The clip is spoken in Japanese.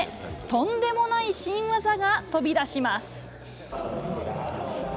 とんでもない新技が飛び出します。